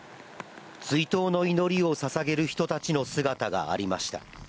追悼の祈りをささげる人たちの姿がありました。